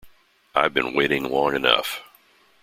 I've been waiting long enough.